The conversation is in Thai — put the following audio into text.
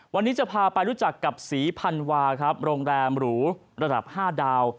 วันนี้จะพาไปรู้จักกับศรีพันวาครับโรงแรมหรูระดับ๕ดาว